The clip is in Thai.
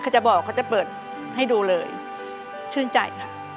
จะบอกเขาจะเปิดให้ดูเลยชื่นใจค่ะ